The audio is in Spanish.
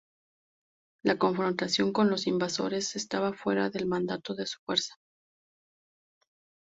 La confrontación con los invasores estaba fuera del mandato de su Fuerza.